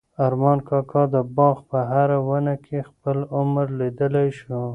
ارمان کاکا د باغ په هره ونه کې خپل عمر لیدلی شو.